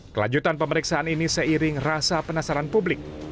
kelanjutan pemeriksaan ini seiring rasa penasaran publik